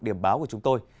điểm báo của chúng tôi